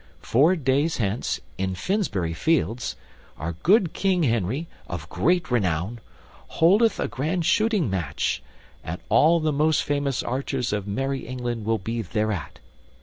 Four days hence, in Finsbury Fields, our good King Henry, of great renown, holdeth a grand shooting match, and all the most famous archers of merry England will be thereat.